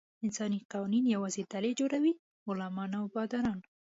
انساني قوانین یوازې ډلې جوړوي: غلامان او باداران.